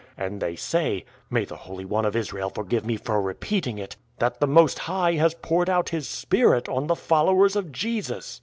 And they say — may the Holy One of Israel forgive me for repeating it !— that the Most High has poured out His Spirit on the followers of Jesus.